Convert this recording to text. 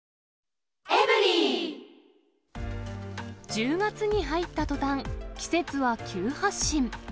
１０月に入ったとたん、季節は急発進。